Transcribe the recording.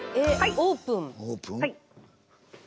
オープン？